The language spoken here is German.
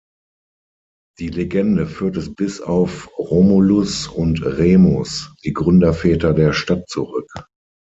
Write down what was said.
Die Legende führt es bis auf Romulus und Remus, die Gründerväter der Stadt zurück.